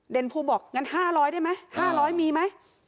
เด่นภูมิบอก๕๐๐บาทได้ไหม๕๐๐บาทมีไหม